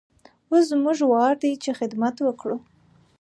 اوس زموږ وار دی چې خدمت وکړو.